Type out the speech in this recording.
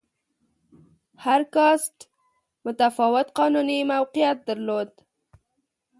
هر کاسټ متفاوت قانوني موقعیت درلود.